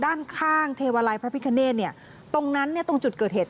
ด้านข้างเทวาลัยพระพิกเนตตรงนั้นตรงจุดเกิดเห็น